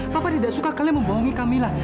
papa tidak suka kalian membohongi kamila